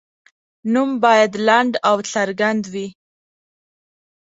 نوم باید لنډ او څرګند وي.